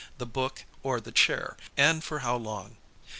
the book, or the chair, and for how long.